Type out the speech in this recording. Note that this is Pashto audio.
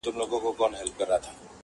پر پاچا باندي د سر تر سترگو گران وه،